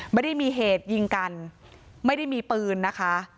ไม่ได้มีเหตุยิงกันไม่ได้มีปืนนะคะ